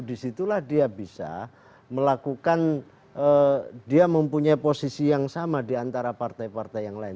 disitulah dia bisa melakukan dia mempunyai posisi yang sama diantara partai partai yang lain